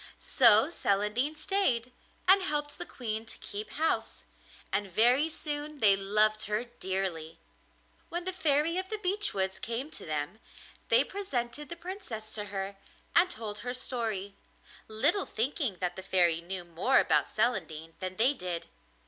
So Celandine stayed, and helped the Queen to keep house, and very soon they loved her dearly. When the Fairy of the Beech Woods came to them, they presented the Princess to her, and told her story, little thinking that the Fairy knew more about Celandine than they did.